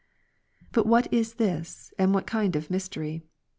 But what is tliis, and what kind of mystery?